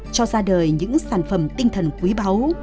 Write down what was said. cho ra đời những sản phẩm tinh thần quý báu